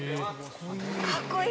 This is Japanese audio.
かっこいい。